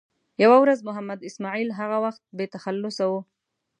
یوه ورځ محمد اسماعیل هغه وخت بې تخلصه و.